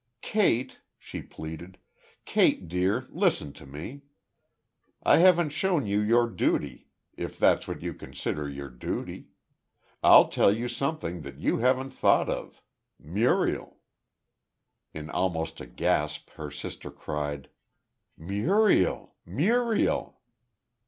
"Kate!" she pleaded. "Kate, dear, listen to me! I haven't shown you your duty if that's what you consider your duty.... I'll tell you something that you haven't thought of.... Muriel." In almost a gasp, her sister cried: "Muriel! ... Muriel!"